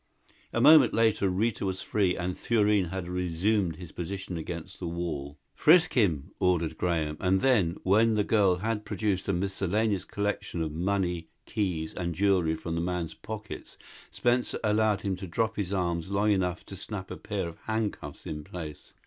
A moment later Rita was free and Thurene had resumed his position against the wall. "Frisk him!" ordered Graham, and then, when the girl had produced a miscellaneous collection of money, keys and jewelry from the man's pockets, Spencer allowed him to drop his arms long enough to snap a pair of handcuffs in place.